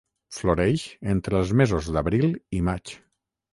Floreix entre els mesos d'abril i maig.